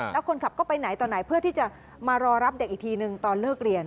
แล้วคนขับก็ไปไหนต่อไหนเพื่อที่จะมารอรับเด็กอีกทีนึงตอนเลิกเรียน